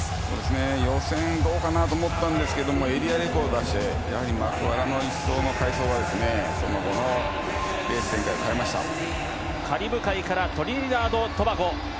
予選、どうかなと思ったんですけどエリアレコードを出してやはり、マクワラの１走目はカリブ海からトリニダード・トバゴ。